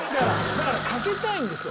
だからかけたいんですよ。